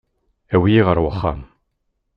Awi-iyi ɣer uxxam.